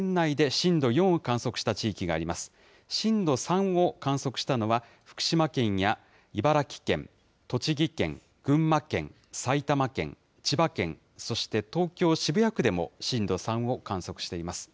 震度３を観測したのは、福島県や茨城県、栃木県、群馬県、埼玉県、千葉県、そして東京・渋谷区でも震度３を観測しています。